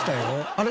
あれ？